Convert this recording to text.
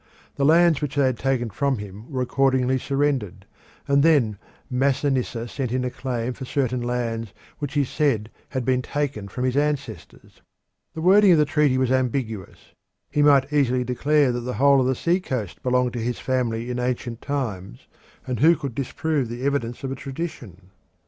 The lands which they had taken from him were accordingly surrendered, and then Masinissa sent in a claim for certain lands which he said had been taken from his ancestors. The wording of the treaty was ambiguous. He might easily declare that the whole of the sea coast had belonged to his family in ancient times, and who could disprove the evidence of a tradition?